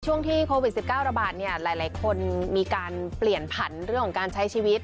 ช่วงที่โควิด๑๙ระบาดเนี่ยหลายคนมีการเปลี่ยนผันเรื่องของการใช้ชีวิต